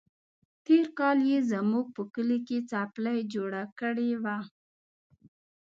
تېر کال يې زموږ په کلي کې څپلۍ جوړه کړې وه.